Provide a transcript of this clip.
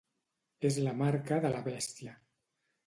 És la marca de la bèstia.